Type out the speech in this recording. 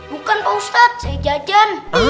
bukan pak ustadz saya jejen